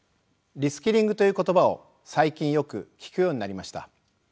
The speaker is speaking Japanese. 「リスキリング」という言葉を最近よく聞くようになりました。